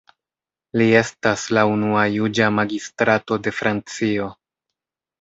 Li estas la unua juĝa magistrato de Francio.